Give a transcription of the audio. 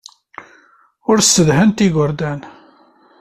Ur ssedhant igerdan.